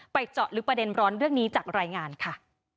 เจาะลึกประเด็นร้อนเรื่องนี้จากรายงานค่ะ